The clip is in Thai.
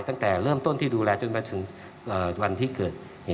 ตั้งแต่เริ่มต้นที่ดูแลจนมาถึงวันที่เกิดเหตุ